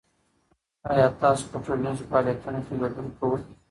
آیا تاسو په ټولنیزو فعالیتونو کې ګډون کوئ؟